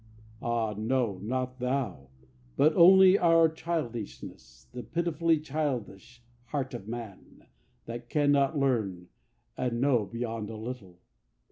Ah no, not thou, but only our childishness, The pitifully childish heart of man That cannot learn and know beyond a little.